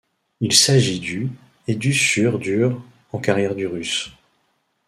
Il s'agit du et du sur dur en carrière du Russe.